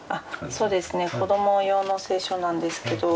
そうですね子供用の聖書なんですけど。